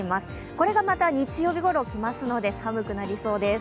これがまた日曜日ごろ来ますので寒くなりそうです。